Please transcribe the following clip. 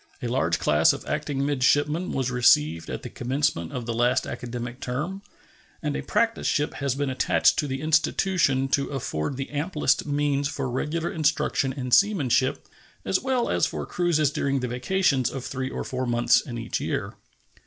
A large class of acting midshipmen was received at the commencement of the last academic term, and a practice ship has been attached to the institution to afford the amplest means for regular instruction in seamanship, as well as for cruises during the vacations of three or four months in each year.